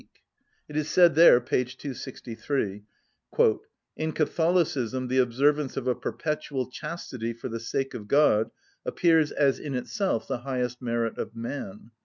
It is said there, p. 263: 'In Catholicism the observance of a perpetual chastity, for the sake of God, appears as in itself the highest merit of man.